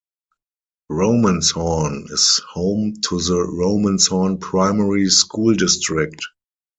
Romanshorn is home to the Romanshorn primary school district.